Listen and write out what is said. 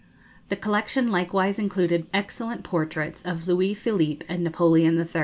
] The collection likewise included excellent portraits of Louis Philippe and Napoleon III.